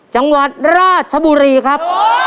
จังหวัดราชบุรีครับ